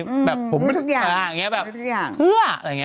อยู่ทุกอย่างเหลืออะไรอย่างนี้